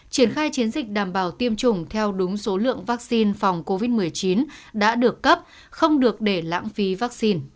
triển khai chiến dịch đảm bảo tiêm chủng theo đúng số lượng vaccine phòng covid một mươi chín đã được cấp không được để lãng phí vaccine